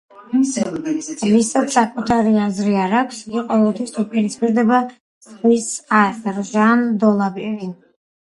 ვისაც საკუთარი აზრი არა აქვს, იგი ყოველთვის უპირისპირდება სხვის აზრს.” – ჟან დელაბერი.